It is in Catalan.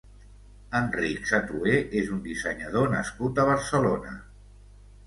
Enric Satué és un dissenyador nascut a Barcelona.